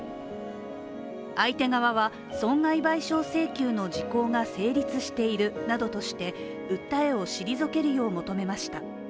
相手側は損害賠償請求の時効が成立しているなどとして、訴えを退けるよう求めました。